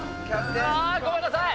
ああごめんなさい！